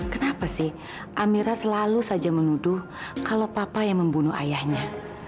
kenapa sih amira selalu saja menuduh kalau papa yang membunuh ayahnya